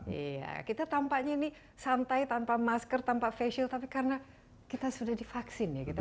iya kita tampaknya ini santai tanpa masker tanpa facial tapi karena kita sudah divaksin ya gitu